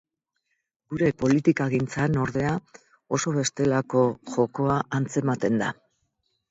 Gure politikagintzan, ordea, oso bestelako jokoa antzematen da.